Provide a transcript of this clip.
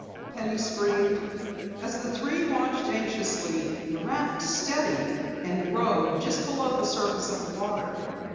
Penny screamed. As the three watched anxiously, the raft steadied and rode just beneath the surface of the water.